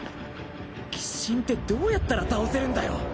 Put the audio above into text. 鬼神ってどうやったら倒せるんだよ！？